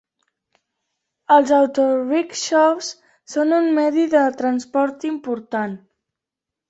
Els autorickshaws són un medi de transport important.